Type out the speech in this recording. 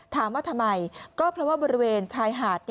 ถามว่าทำไมก็เพราะว่าบริเวณชายหาด